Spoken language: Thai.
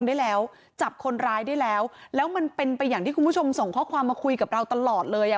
ได้แล้วจับคนร้ายได้แล้วแล้วมันเป็นไปอย่างที่คุณผู้ชมส่งข้อความมาคุยกับเราตลอดเลยอ่ะ